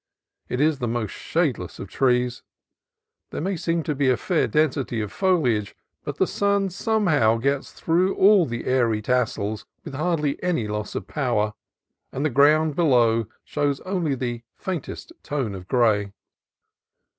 It is the most shadeless of trees. There may seem to be a fair density of foliage, but the sun somehow gets through the airy tassels with hardly any loss of power, and the ground below shows only the faintest tone of gray.